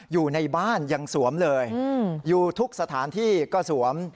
อยู่ในบ้านยังสวมเลยอยู่ทุกสถานที่ก็สวม